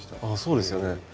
あそうですよね。